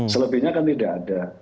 selebihnya kan tidak ada